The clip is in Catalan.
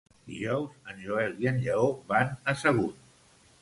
Dijous en Joel i en Lleó van a Sagunt.